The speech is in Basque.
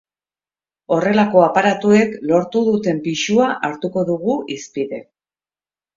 Horrelako aparatuek lortu duten pisua hartuko dugu hizpide.